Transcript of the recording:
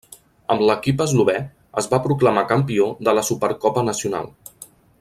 Amb l'equip eslovè es va proclamar campió de la Supercopa nacional.